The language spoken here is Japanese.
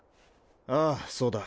ああそうだ。